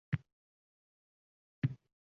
Shoh qo’lida qilich sindi